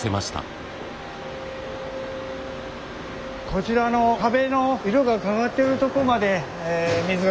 こちらの壁の色が変わってるとこまで水がきまして。